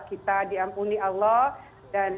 kita diampuni allah dan